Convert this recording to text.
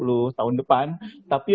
u dua puluh tahun depan tapi